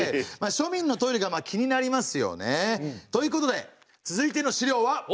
庶民のトイレが気になりますよね。ということで続いての資料は。